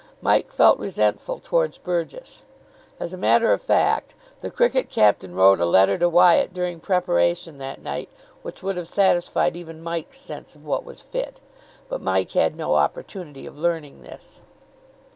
Mike felt resentful towards Burgess. As a matter of fact, the cricket captain wrote a letter to Wyatt during preparation that night which would have satisfied even Mike's sense of what was fit. But Mike had no opportunity of learning this.